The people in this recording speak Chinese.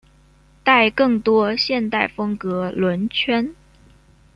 带更多现代风格轮圈。